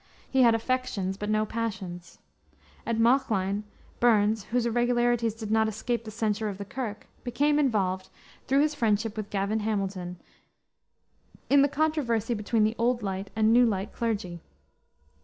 He had affections, but no passions. At Mauchline, Burns, whose irregularities did not escape the censure of the kirk, became involved, through his friendship with Gavin Hamilton, in the controversy between the Old Light and New Light clergy.